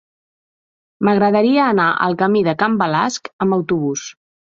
M'agradaria anar al camí de Can Balasc amb autobús.